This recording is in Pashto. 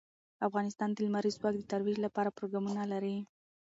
افغانستان د لمریز ځواک د ترویج لپاره پروګرامونه لري.